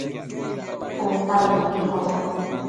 cuntabëd ubi icbocno